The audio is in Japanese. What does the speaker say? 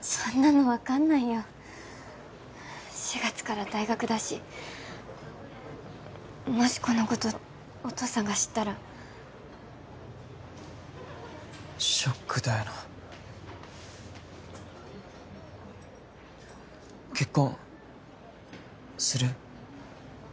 そんなの分かんないよ４月から大学だしもしこのことお父さんが知ったらショックだよな結婚する？